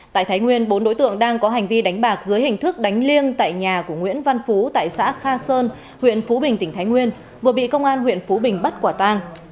tại thái nguyên bốn đối tượng đang có hành vi đánh bạc dưới hình thức đánh liêng tại nhà của nguyễn văn phú tại xã kha sơn huyện phú bình tỉnh thái nguyên vừa bị công an huyện phú bình bắt quả tang